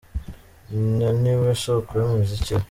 Nyina ni we soko y’umuziki we.